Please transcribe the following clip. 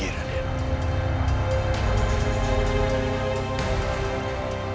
aku bisa lihat kebanyakan keadaan